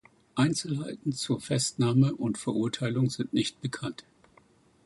Einzelheiten zur Festnahme und Verurteilung sind nicht bekannt.